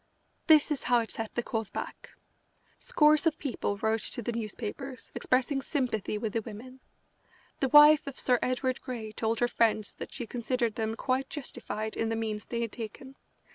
This is how it set the cause back. Scores of people wrote to the newspapers expressing sympathy with the women. The wife of Sir Edward Grey told her friends that she considered them quite justified in the means they had taken.